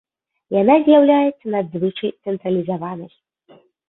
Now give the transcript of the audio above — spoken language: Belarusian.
Яна з'яўляецца надзвычай цэнтралізаванай.